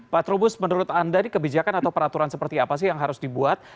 pak trubus menurut anda ini kebijakan atau peraturan seperti apa sih yang harus dibuat